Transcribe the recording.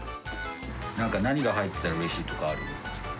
なんか何が入ってたらうれしいとかある？